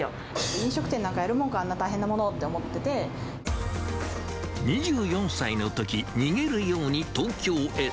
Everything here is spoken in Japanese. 飲食店なんかやるもんか、あんな２４歳のとき、逃げるように東京へ。